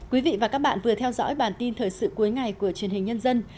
quý vị và các bạn vừa theo dõi bản tin thời sự cuối ngày của truyền hình nhân dân